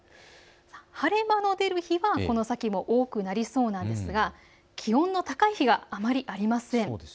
晴れ間の出る日はこの先も多くなりそうなんですが気温の高い日があまりありません。